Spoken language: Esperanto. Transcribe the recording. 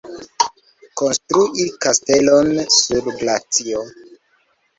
Konstrui kastelon sur glacio.